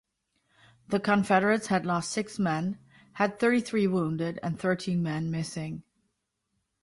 The Confederates had lost six men, had thirty-three wounded, and thirteen men missing.